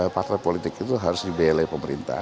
partai politik itu harus dibiayai pemerintah